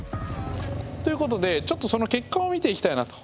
ということでちょっとその結果を見ていきたいなと思います。